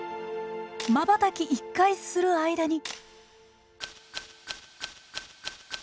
まばたき１回する間に。